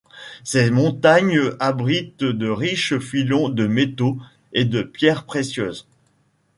Ses montagnes abritent de riches filons de métaux et de pierres précieuses.